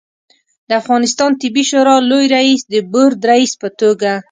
د افغانستان طبي شورا لوي رئیس د بورد رئیس په توګه